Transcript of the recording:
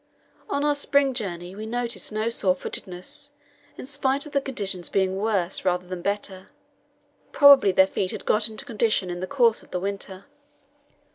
On our spring journey we noticed no sore footedness, in spite of the conditions being worse rather than better; probably their feet had got into condition in the course of the winter.